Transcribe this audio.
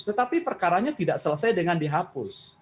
tetapi perkaranya tidak selesai dengan dihapus